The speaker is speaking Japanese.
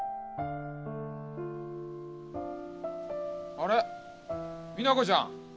あれ実那子ちゃん！